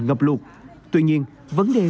ngập lụt tuy nhiên vấn đề